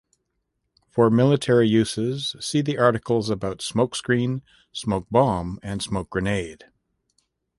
For military uses see the articles about smoke screen, smoke bomb and smoke grenade.